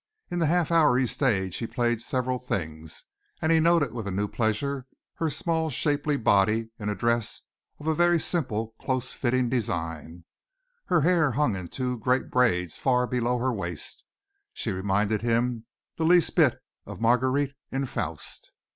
In the half hour he stayed she played several things, and he noted with a new pleasure her small shapely body in a dress of a very simple, close fitting design; her hair hung in two great braids far below her waist. She reminded him the least bit of Marguerite in "Faust."